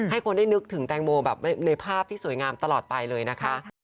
คนได้นึกถึงแตงโมแบบในภาพที่สวยงามตลอดไปเลยนะคะ